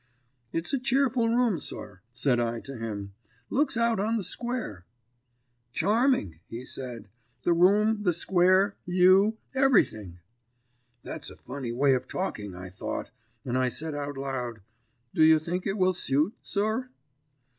"'It's a cheerful room, sir,' said I to him. 'Looks out on the square.' "'Charming,' he said, 'the room, the square, you, everything.' "'That's a funny way of talking,' I thought, and I said out loud, 'Do you think it will suit, sir?'